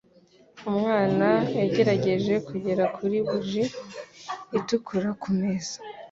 Umwana yagerageje kugera kuri buji itukura kumeza.